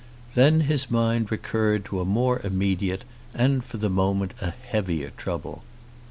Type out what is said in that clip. Then his mind recurred to a more immediate and, for the moment, a heavier trouble.